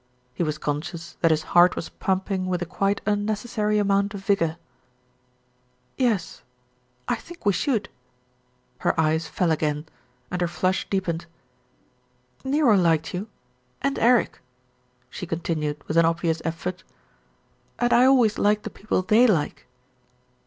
He was con scious that his heart was pumping with a quite unneces sary amount of vigour. "Yes, I think we should," her eyes fell again, and her flush deepened. "Nero liked you, and Eric," she continued with an obvious effort, "and I always like the people they like."